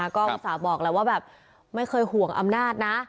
ก็ม้อสาบออกแล้วว่าไม่เคยห่วงอำนาจนะ